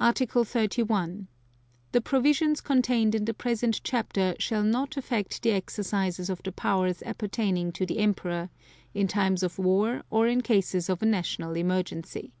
Article 31. The provisions contained in the present Chapter shall not affect the exercises of the powers appertaining to the Emperor, in times of war or in cases of a national emergency.